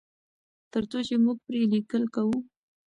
تر څو چې موږ پرې لیکل کوو.